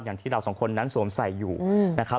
อย่างที่เราสองคนนั้นสวมใส่อยู่นะครับ